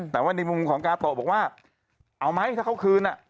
แต่ว่าในมุมของกาโตะบอกว่าเอาไหมถ้าเขาคืน